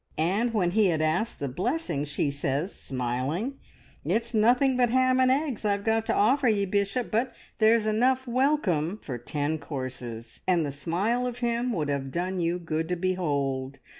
And when he had asked the blessing she says, smiling, `It's nothing but ham and eggs I've got to offer ye, Bishop, but there's enough welcome for ten courses,' and the smile of him would have done you good to behold.